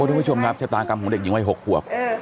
โอ้ทุกคุณผู้ชมครับชะตากรรมของเด็กหญิงไว้๖หัว